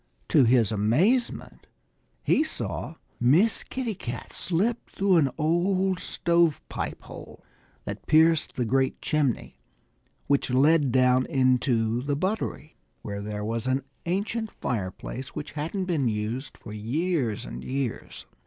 To his amazement he saw Miss Kitty Cat slip through an old stove pipe hole that pierced the great chimney which led down into the buttery, where there was an ancient fireplace which hadn't been used for years and years.